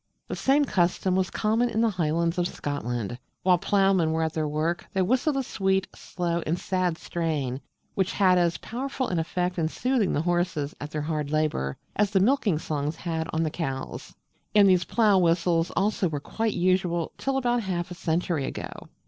The same custom was common in the Highlands of Scotland. While ploughmen were at their work they whistled a sweet, slow, and sad strain, which had as powerful an effect in soothing the horses at their hard labour as the milking songs had on the cows: and these Plough whistles also were quite usual till about half a century ago.